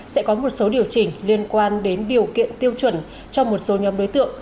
sẽ có một số điều chỉnh liên quan đến điều kiện tiêu chuẩn cho một số nhóm đối tượng